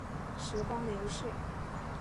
时光流逝